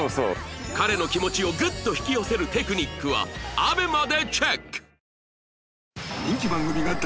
彼の気持ちをグッと引き寄せるテクニックは ＡＢＥＭＡ でチェック！